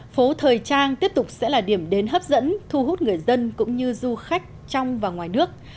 phố thời trang tiếp tục sẽ là điểm đến hấp dẫn thu hút người dân cũng như du khách trong và ngoài nước